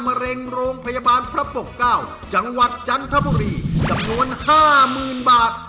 มะเร็งโรงพยาบาลพระปกเก้าจังหวัดจันทบุรีจำนวนห้าหมื่นบาท